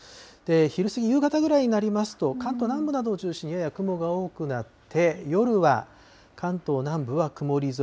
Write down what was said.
昼過ぎ、夕方ぐらいになりますと、関東南部などを中心に、やや雲が多くなって、夜は関東南部は曇り空。